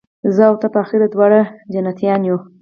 زه او ته به آخر دواړه جنتیان یو